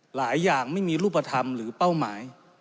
หลายอย่างไม่มีรูปธรรมหรือเป้าหมาย